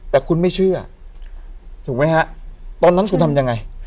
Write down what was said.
แต่คุณไม่เชื่อถูกไหมฮะตอนนั้นคุณทำยังไง